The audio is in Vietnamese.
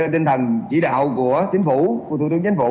tinh thần chỉ đạo của chính phủ của thủ tướng chính phủ